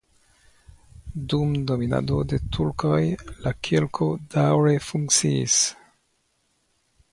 Dum dominado de turkoj la kirko daŭre funkciis.